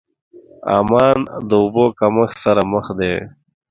عمان د اوبو کمښت سره مخ دی.